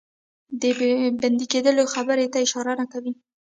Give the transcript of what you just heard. د بندي کېدلو خبري ته اشاره نه کوي.